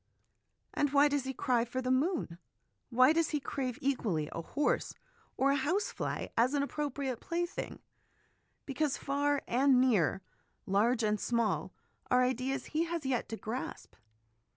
And why does he cry for the moon ? Why does he crave equally, a horse or a house fly as an appropriate plaything ? Because far and near, large and small, are ideas he has yet to grasp.